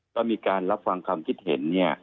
ก็มีการรับฟังความคิดเห็น